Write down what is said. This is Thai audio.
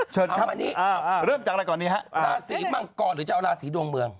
เชิญครับเริ่มจากรายกรณ์นี้ฮะลาศรีมังกรหรือจะเอาราศรีดวงเมือง